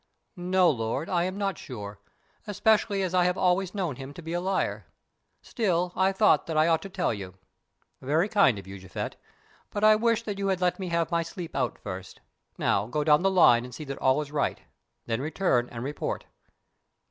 "No, lord, I am not sure, especially as I have always known him to be a liar. Still, I thought that I ought to tell you." "Very kind of you, Japhet, but I wish that you had let me have my sleep out first. Now go down the line and see that all is right, then return and report."